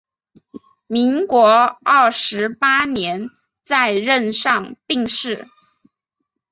民国二十八年在任上病逝。